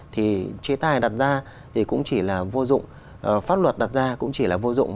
thì chế tài đặt ra thì cũng chỉ là vô dụng pháp luật đặt ra cũng chỉ là vô dụng